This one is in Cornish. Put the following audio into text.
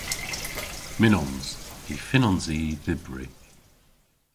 Mynnons. Y fynnons i y dhybri.